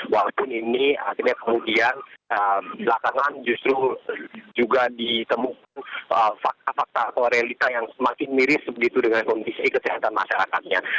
walaupun ini akhirnya kemudian belakangan justru juga ditemukan fakta fakta korealita yang semakin miris begitu dengan kondisi kesehatan masyarakatnya